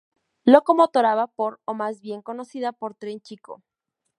Locomotora a vapor o más bien conocida por Tren Chico.